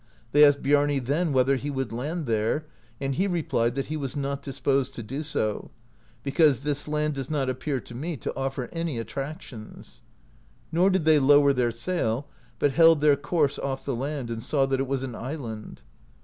They asked Biarni then whether he would land there, and he replied that he was not disposed to do so, because this land does not appear to me to offer any attractions." Nor did they lower their sail, but held their course off the land, and saw that it was an island.